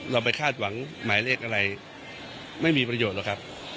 เราไปคาดหวังหมายเลขอะไรไม่มีประโยชน์หรอกครับ